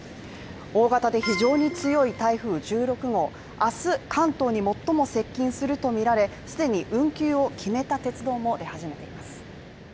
大型で非常に強い台風１６号、明日、関東に最も接近するとみられ、既に運休を決めた鉄道も出始めています。